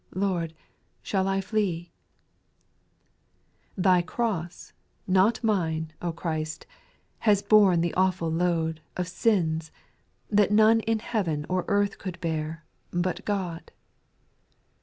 4c, Thy cross, not mine, Christ I Has borne the awful load Of sins, that none in heaven Or earth could bear, but God.